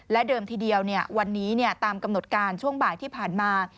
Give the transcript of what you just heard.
และเดิมทีเดียวเนี่ยตามกำหนดงานช่วงบ่ายที่ผ่านมา